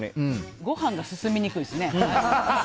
ご飯が進みにくいですね。